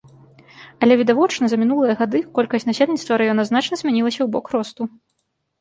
Але, відавочна, за мінулыя гады колькасць насельніцтва раёна значна змянілася ў бок росту.